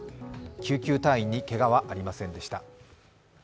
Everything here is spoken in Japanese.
救急隊員にけがはありませんでした。